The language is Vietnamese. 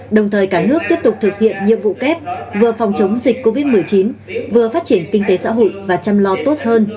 đồng thời cả nước tiếp tục thực hiện nhiệm vụ kép vừa phòng chống dịch covid một mươi chín vừa phát triển kinh tế xã hội và chăm lo tốt hơn